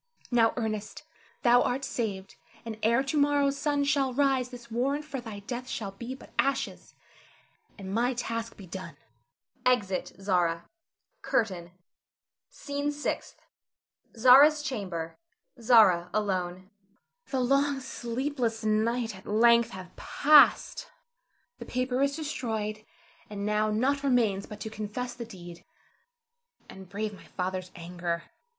Now, Ernest, thou art saved, and ere to morrow's sun shall rise this warrant for thy death shall be but ashes, and my task be done. [Exit Zara. CURTAIN. SCENE SIXTH. [Zara's chamber. Zara alone]. Zara. The long, sleepless night at length hath passed. The paper is destroyed, and now nought remains but to confess the deed, and brave my father's anger.